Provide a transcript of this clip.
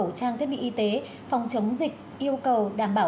xuất nhập khẩu trang thiết bị y tế phòng chống dịch yêu cầu đảm bảo